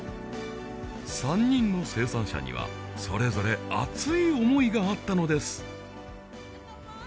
３人の生産者にはそれぞれがあったのです